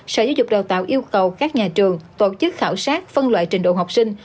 sở giáo dục đào tạo yêu cầu các nhà trường tổ chức khảo sát phân loại trình độ học sinh